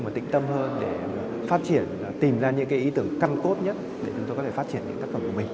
và tình tâm hơn để phát triển tìm ra những ý tưởng căng cốt nhất để chúng tôi có thể phát triển những tác phẩm của mình